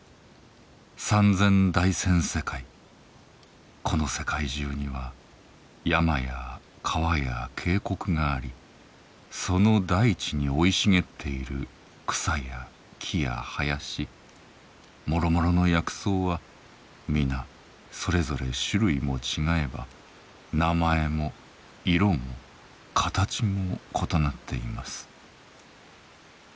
三千大千世界この世界中には山や川や渓谷がありその大地に生い茂っている草や木や林もろもろの薬草は皆それぞれ種類も違えば名前も色も形も異なっています。